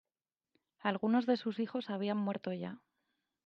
Algunos de sus hijos habían muerto ya.